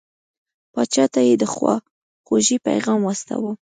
پاچا ته یې د خواخوږی پیغام واستاوه.